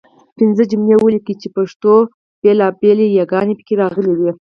پنځه جملې ولیکئ چې پښتو بېلابېلې یګانې پکې راغلي وي.